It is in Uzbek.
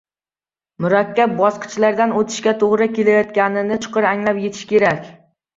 murakkab bosqichlardan o‘tishga to‘g‘ri kelayotganini chuqur anglab yetishi kerak.